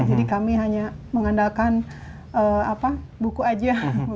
jadi kami hanya mengandalkan buku aja